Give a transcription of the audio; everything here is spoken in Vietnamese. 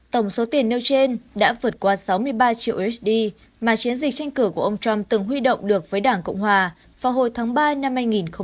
tổng số tiền nêu trên đã vượt qua sáu mươi ba triệu usd mà chiến dịch tranh cử của ông trump từng huy động được với đảng cộng hòa vào hồi tháng ba năm hai nghìn một mươi chín